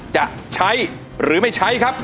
จะใช้หรือไม่ใช้ครับ